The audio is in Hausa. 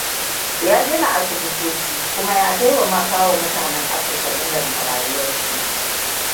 Ya gina asibitoci kuma ya taimaka wa mutanen Afirka inganta rayuwarsu.